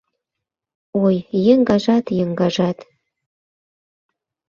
Ой, еҥгажат, еҥгажат